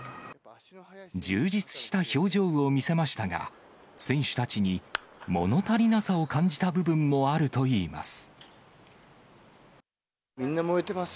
充実した表情を見せましたが、選手たちに、もの足りなさを感じた部分もあるといいます。